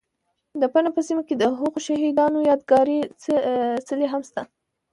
، د پنه په سیمه کې دهغو شهید انو یاد گاري څلی هم شته